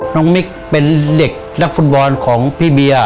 มิกเป็นเด็กนักฟุตบอลของพี่เบียร์